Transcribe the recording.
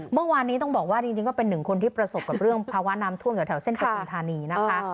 เมื่อวานนี้ต้องบอกว่าจริงก็เป็นหนึ่งคนที่ประสบกับเรื่องภาวะน้ำท่วมจากแถวเส้นประทุมธานีนะคะ